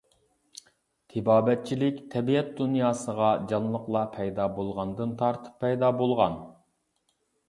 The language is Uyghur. تېبابەتچىلىك تەبىئەت دۇنياسىغا جانلىقلار پەيدا بولغاندىن تارتىپ پەيدا بولغان.